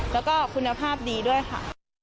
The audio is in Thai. แล้วก็คุณภาพดีด้วยค่ะ